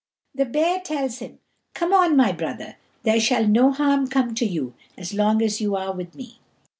The bear tells him, "Come on, my brother; there shall no harm come to you as long as you are with me."